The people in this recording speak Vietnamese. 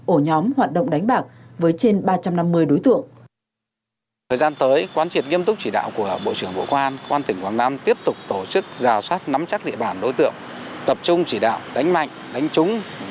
ổ nhóm hoạt động đánh bạc với trên ba trăm năm mươi đối tượng